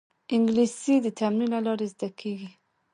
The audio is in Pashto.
انګلیسي د تمرین له لارې زده کېږي